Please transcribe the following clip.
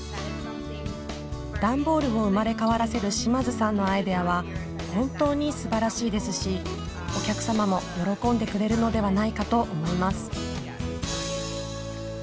段ボールを生まれ変わらせる島津さんのアイデアは本当にすばらしいですしお客様も喜んでくれるのではないかと思います。